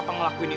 yang geram vanya